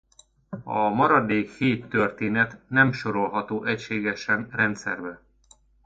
A maradék hét történet nem sorolható egységesen rendszerbe.